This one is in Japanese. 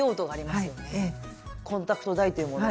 コンタクトダイというもの